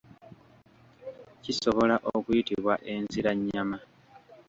Kisobola okuyitibwa enziranyama.